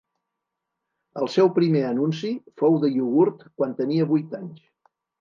El seu primer anunci fou de iogurt quan tenia vuit anys.